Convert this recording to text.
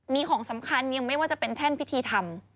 มีของสำคัญยังไม่ว่าจะเป็นแท่นพิธีทำ